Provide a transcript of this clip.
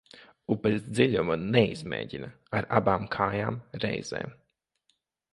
Upes dziļumu neizmēģina ar abām kājām reizē.